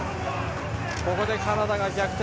ここでカナダが逆転。